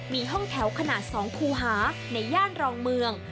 มีห้องแถวขนาด๒คูหาในย่านรองเมือง